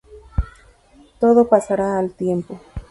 Todo pasará al tiempo"".